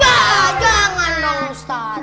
wah jangan dong ustadz